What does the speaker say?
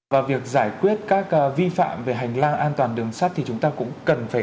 và việc giải quyết các vi phạm về hành lang an toàn đường sắt thì chúng ta cũng cần phải